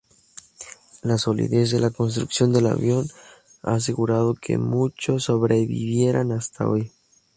La solidez de la construcción del avión ha asegurado que muchos sobrevivieran hasta hoy.